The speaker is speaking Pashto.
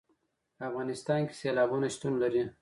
په افغانستان کې سیلابونه شتون لري.